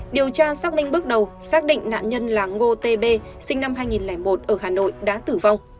điều tra xác minh bước đầu xác định nạn nhân là ngô tb sinh năm hai nghìn một ở hà nội đã tử vong